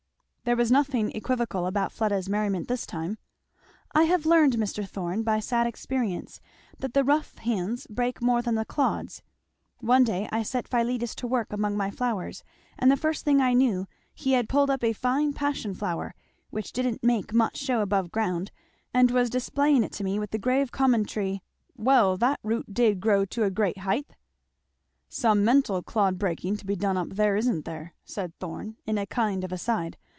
There was nothing equivocal about Fleda's merriment this time. "I have learned, Mr. Thorn, by sad experience, that the rough hands break more than the clods. One day I set Philetus to work among my flowers; and the first thing I knew he had pulled up a fine passion flower which didn't make much shew above ground and was displaying it to me with the grave commentary, 'Well! that root did grow to a great haigth!'" "Some mental clod breaking to be done up there, isn't there?" said Thorn in a kind of aside.